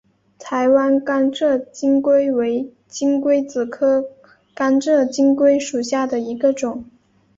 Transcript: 台湾甘蔗金龟为金龟子科甘蔗金龟属下的一个种。